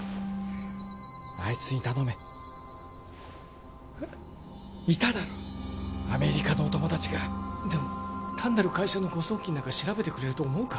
あいつに頼めえっいただろアメリカのお友達がでも単なる会社の誤送金なんか調べてくれると思うか？